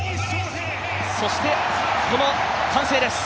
そして、この歓声です。